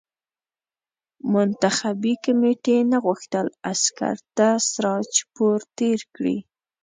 منتخبي کمېټې نه غوښتل عسکر تر سراج پور تېر کړي.